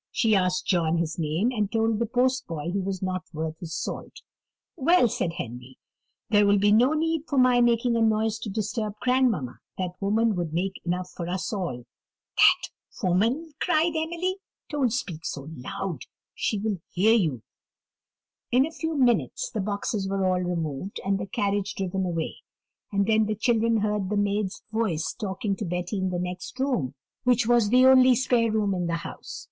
She asked John his name; and told the postboy he was not worth his salt. "Well," said Henry, "there will be no need for my making a noise to disturb grandmamma; that woman would make enough for us all." "That woman!" cried Emily; "don't speak so loud, she will hear you." In a few minutes the boxes were all removed, and the carriage driven away; and then the children heard the maid's voice talking to Betty in the next room, which was the only spare room in the house.